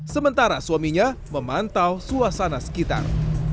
sementara suaminya memantau suasana sekitar